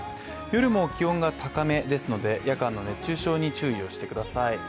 夜も気温が高めですので夜間の熱中症に注意をしてください。